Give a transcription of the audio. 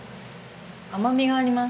甘みがあります。